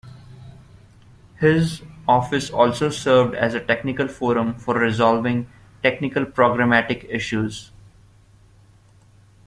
His office also served as a technical forum for resolving technical programmatic issues.